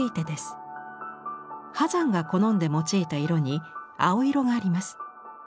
波山が好んで用いた色に青色があります。